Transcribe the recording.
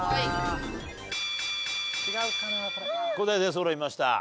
答え出そろいました。